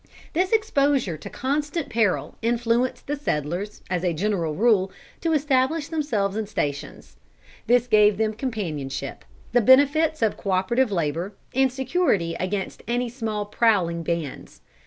This exposure to constant peril influenced the settlers, as a general rule, to establish themselves in stations. This gave them companionship, the benefits of co operative labor, and security against any small prowling bands.